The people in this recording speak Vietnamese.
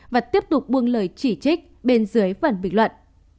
và tiếp tục buông lời chỉ trích bên dưới phần bình luận